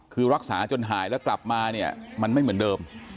คือรักษาจนหายแล้วกลับมาเนี่ยมันไม่เหมือนเดิม